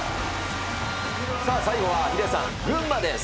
さあ、最後はヒデさん、群馬です。